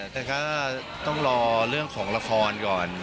แต่ก็ต้องรอเรื่องของละครก่อน